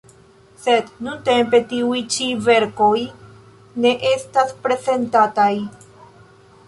Sed nuntempe tiuj ĉi verkoj ne estas prezentataj.